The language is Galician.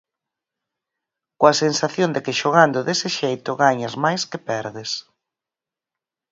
Coa sensación de que xogando dese xeito gañas máis que perdes.